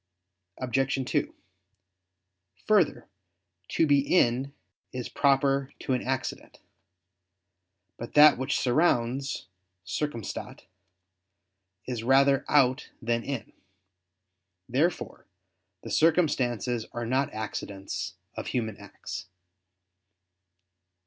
Obj. 2: Further, "to be in" is proper to an accident. But that which surrounds (circumstat) is rather out than in. Therefore the circumstances are not accidents of human acts.